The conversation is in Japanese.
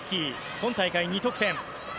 今大会２得点。